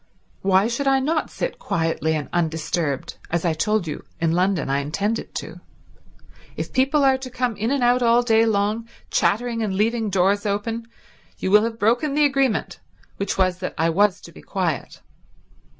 Why should I not sit quietly and undisturbed, as I told you in London I intended to? If people are to come in and out all day long, chattering and leaving doors open, you will have broken the agreement, which was that I was to be quiet."